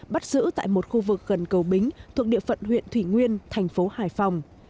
bắt giữ tại một khu vực gần cầu bính thuộc địa phận huyện thủy nguyên thành phố hải phòng